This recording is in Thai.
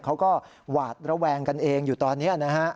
เขาก็หวาดระแวงกันเองอยู่ตอนนี้นะฮะ